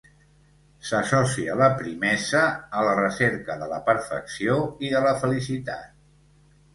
S'associa la primesa a la recerca de la perfecció i de la felicitat.